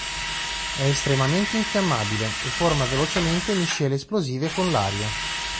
È estremamente infiammabile, e forma velocemente miscele esplosive con l'aria.